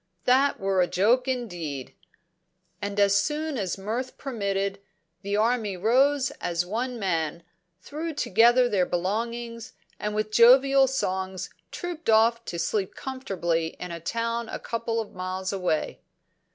That were a joke, indeed!" And, as soon as mirth permitted, the army rose as one man, threw together their belongings, and with jovial songs trooped off to sleep comfortably in a town a couple of miles away.